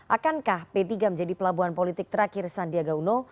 akankah p tiga menjadi pelabuhan politik terakhir sandiaga uno